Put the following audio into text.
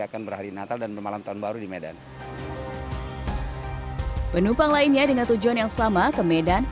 akan berhari natal dan malam tahun baru di medan penumpang lainnya dengan tujuan yang sama ke medan